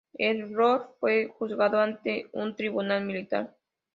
Herold fue juzgado ante un tribunal militar.